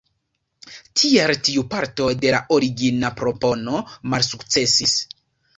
Tiel tiu parto de la origina propono malsukcesis.